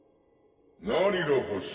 「何がほしい？」